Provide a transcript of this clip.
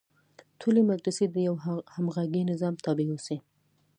ټولې مدرسې د یوه همغږي نظام تابع اوسي.